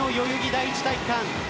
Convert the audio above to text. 第一体育館